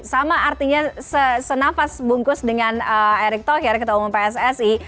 sama artinya senafas bungkus dengan eric tohir ketemu pssi